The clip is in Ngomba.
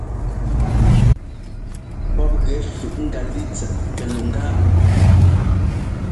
Pɔ́p gɛ fʉꞌ ŋgalíi tsɛt pɛluŋgá.